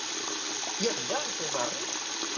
Hi ha vida al teu barri?